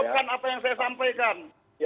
bukan apa yang saya sampaikan